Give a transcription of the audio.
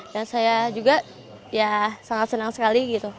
dan saya juga ya sangat senang sekali gitu